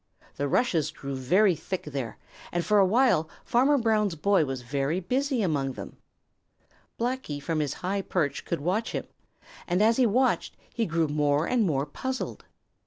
The rushes grew very thick there, and for a while Farmer Brown's boy was very busy among them. Blacky from his high perch could watch him, and as he watched, he grew more and more puzzled.